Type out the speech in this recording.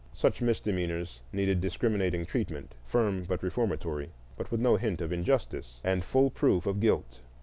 Such misdemeanors needed discriminating treatment, firm but reformatory, with no hint of injustice, and full proof of guilt.